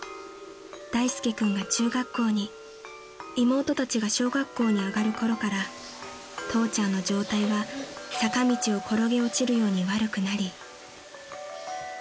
［大介君が中学校に妹たちが小学校に上がるころから父ちゃんの状態は坂道を転げ落ちるように悪くなり］